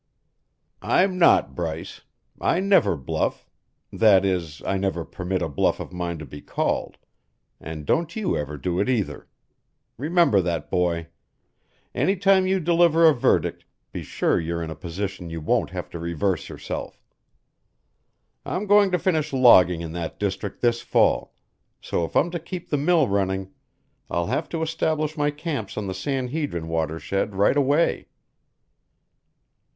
"I'm not, Bryce. I never bluff that is, I never permit a bluff of mine to be called, and don't you ever do it, either. Remember that, boy. Any time you deliver a verdict, be sure you're in such a position you won't have to reverse yourself. I'm going to finish logging in that district this fall, so if I'm to keep the mill running, I'll have to establish my camps on the San Hedrin watershed right away."